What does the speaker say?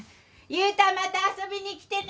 悠太また遊びに来てね！